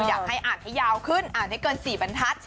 อยากให้อ่านให้ยาวขึ้นอ่านให้เกิน๔บรรทัศน์